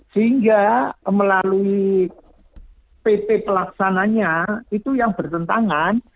sehingga melalui pp pelaksananya itu yang bertentangan